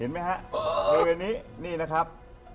เห็นมั้ยครับเครื่องนี้หนินะครับ